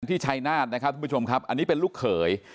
ชายนาฏนะครับทุกผู้ชมครับอันนี้เป็นลูกเขย